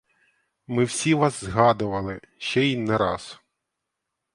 Ми всі вас згадували, ще й не раз.